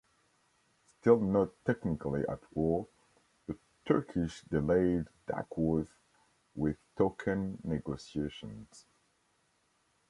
Still not technically at war, the Turkish delayed Duckworth with token negotiations.